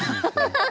ハハハ！